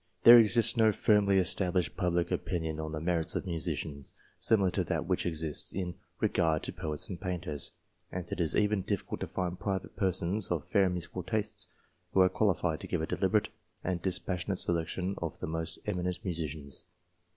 There exists no firmly established public opinion on the merits of musicians, similar to that which exists in regard to poets and painters, and it is even difficult to find private persons of fair musical tastes, who are qualified to give a deliberate and dis passionate selection of the most eminent musicians.